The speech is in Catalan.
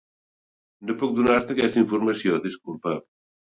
No puc donar-te aquesta informació, disculpa.